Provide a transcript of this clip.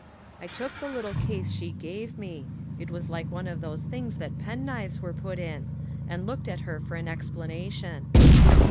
I took the little case she gave me it was like one of those things that pen knives are put in and looked at her for an explanation.